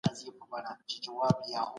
په سمینارونو کې مهم معلومات وړاندې کېږي.